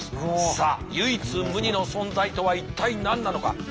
さあ唯一無二の存在とは一体何なのか。